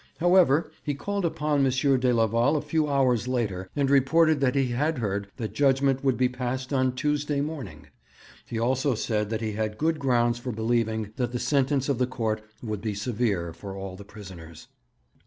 However, he called upon M. de Leval a few hours later, and reported that he had heard that judgement would be passed on Tuesday morning. He also said that he had good grounds for believing that the sentence of the court would be severe for all the prisoners.